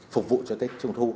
phục vụ cho tết trung thu